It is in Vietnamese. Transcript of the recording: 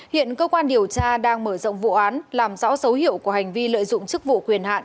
hiện cơ quan điều tra đang mở rộng vụ án làm rõ dấu hiệu của hành vi lợi dụng chức vụ quyền hạn